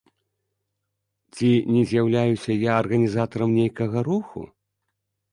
Ці не з'яўляюся я арганізатарам нейкага руху?